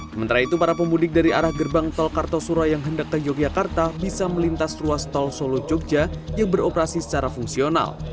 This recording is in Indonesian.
sementara itu para pemudik dari arah gerbang tol kartosura yang hendak ke yogyakarta bisa melintas ruas tol solo jogja yang beroperasi secara fungsional